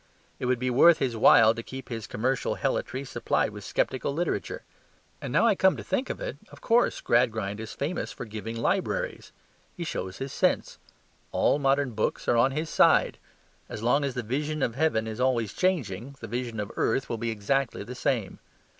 It would be worth his while to keep his commercial helotry supplied with sceptical literature. And now I come to think of it, of course, Gradgrind is famous for giving libraries. He shows his sense. All modern books are on his side. As long as the vision of heaven is always changing, the vision of earth will be exactly the same.